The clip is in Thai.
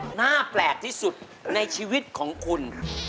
หน้าแปลกที่สุดในชีวิตของคุณ